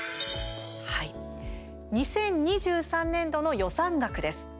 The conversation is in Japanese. ２０２３年度の予算額です。